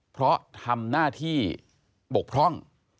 เพราะทำหน้าที่บกพร่อง